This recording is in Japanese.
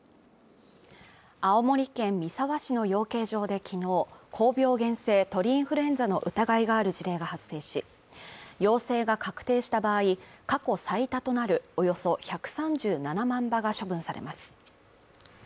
青森県三沢市の養鶏場できのう高病原性鳥インフルエンザの疑いがある事例が発生し陽性が確定した場合過去最多となるおよそ１３７万羽が処分されます